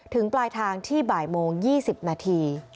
ปลายทางที่บ่ายโมง๒๐นาที